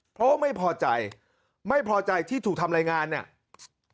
เพราะไม่พอใจไม่พอใจที่ถูกทำรายงานเนี่ย